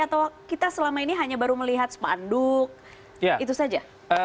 atau kita selama ini hanya baru melihat spanduk itu saja